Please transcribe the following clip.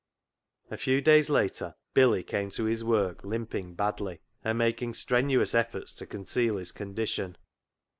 A few days later Billy came to his work limping badly, and making strenuous efforts to conceal his condition.